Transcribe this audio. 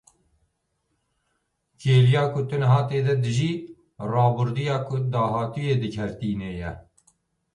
Kêliya ku niha tu tê de dijî, rabirdûya ku dahatûyê dikeritîne ye.